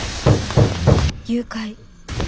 「誘拐」。